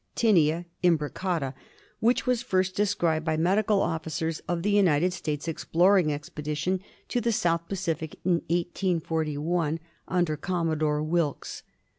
Tinea imbricata, which was first described by the medical officers of the United States Exploring Expedition to the South Pacific in 1841, under Commodore Wilkes.